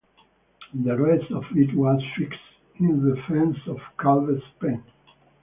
The rest of it was fixed in the fence of a calves' pen.